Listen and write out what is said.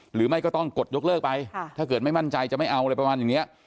หรือไม่ก็ต้องกดยกเลิกไปถ้าเกิดไม่มั่นใจจะไม่เอาอะไรประมาณอย่างนี้